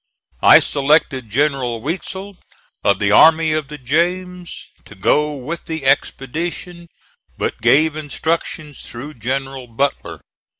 I selected General Weitzel, of the Army of the James, to go with the expedition, but gave instructions through General Butler.